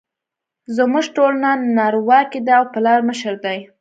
زموږ ټولنه نرواکې ده او پلار مشر دی